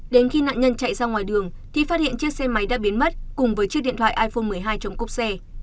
đến khi nạn nhân chạy ra ngoài đường thì phát hiện chiếc xe máy đã biến mất cùng với chiếc điện thoại iphone một mươi hai trong cốp xe